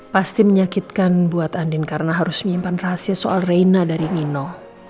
pasti menyakitkan buat andin karena harus menyimpan rahasia soal reina dari nino